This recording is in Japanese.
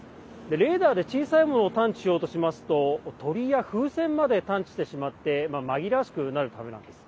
レーダーで小さいものを探知しようとしますと鳥や風船まで探知してしまって紛らわしくなるためなんです。